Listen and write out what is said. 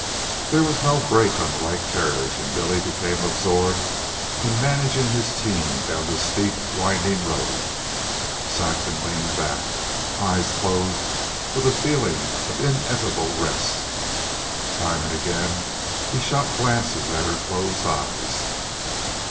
There was no brake on the light carriage, and Billy became absorbed in managing his team down the steep, winding road. Saxon leaned back, eyes closed, with a feeling of ineffable rest. Time and again he shot glances at her closed eyes.